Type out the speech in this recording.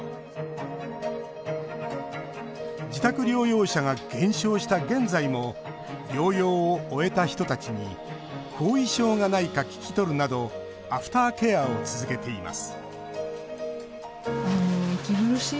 自宅療養者が減少した現在も療養を終えた人たちに後遺症がないか聞き取るなどアフターケアを続けています